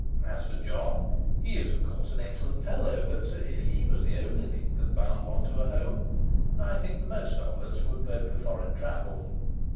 As for John, he is of course an excellent fellow; but if he was the only link that bound one to a home, I think the most of us would vote for foreign travel.